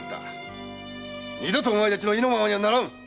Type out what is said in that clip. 二度とお前たちの意のままにはならん！